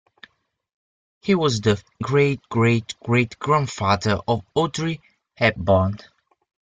He was the great-great-great-grandfather of Audrey Hepburn.